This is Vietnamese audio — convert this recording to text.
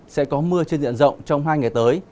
sẽ có mưa trên diện rộng trong hai ngày tới